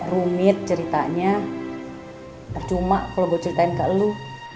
rumit ceritanya tercuma kalo gue ceritain ke lo